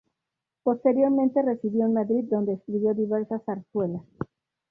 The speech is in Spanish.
Posteriormente residió en Madrid donde escribió diversas zarzuelas.